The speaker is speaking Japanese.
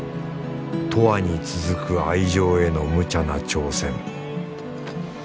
とわに続く愛情へのむちゃな挑戦